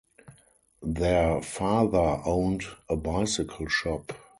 Their father owned a bicycle shop.